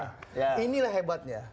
nah inilah hebatnya